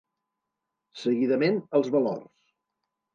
Seguidament, els valors.